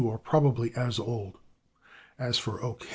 Q./ are probably as old. As for /O.